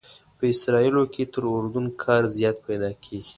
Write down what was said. په اسرائیلو کې تر اردن کار زیات پیدا کېږي.